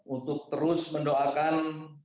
untuk terus mendoakan